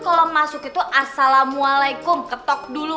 kalau masuk itu assalamualaikum ketok dulu